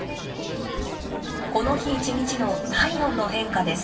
この日一日の体温の変化です。